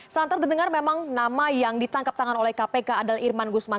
santar terdengar memang nama yang ditangkap tangan oleh kpk adalah irman gusman